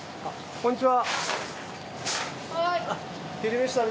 こんにちは。